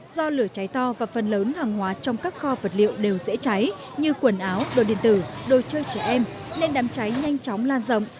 do lửa cháy to và phần lớn hàng hóa trong các kho vật liệu đều dễ cháy như quần áo đồ điện tử đồ chơi trẻ em nên đám cháy nhanh chóng lan rộng